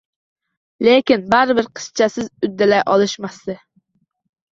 Lekin baribir qizchasiz uddalay olishmasdi